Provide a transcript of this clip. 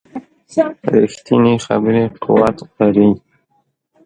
ریښتینې خبرې قوت لري